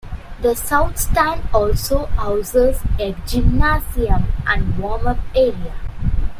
The South Stand also houses a gymnasium and warm up area.